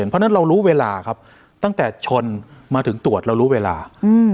เพราะฉะนั้นเรารู้เวลาครับตั้งแต่ชนมาถึงตรวจเรารู้เวลา